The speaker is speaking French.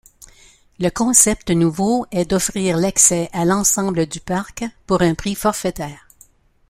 Le concept nouveau est d'offrir l'accès à l'ensemble du parc pour un prix forfaitaire.